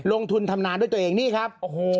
ลงทุนทำนานด้วยตัวเองนี่ครับโอ้โห